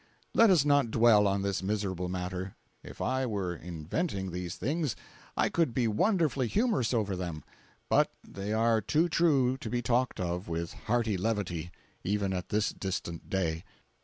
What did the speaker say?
Let us not dwell on this miserable matter. If I were inventing these things, I could be wonderfully humorous over them; but they are too true to be talked of with hearty levity, even at this distant day.